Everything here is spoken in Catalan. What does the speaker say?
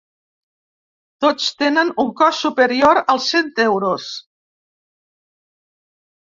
Tots tenen un cost superior als cent euros.